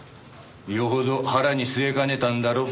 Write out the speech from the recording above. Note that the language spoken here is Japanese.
よほど腹に据えかねたんだろう。